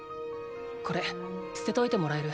これ捨てといてもらえる？